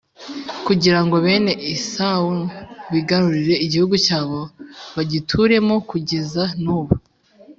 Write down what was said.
kugira ngo bene esawu bigarurire igihugu cyabo bagituremo kugezan’ubu